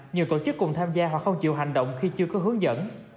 nhiều tổ chức cùng tham gia hoặc không chịu hành động khi chưa có hướng dẫn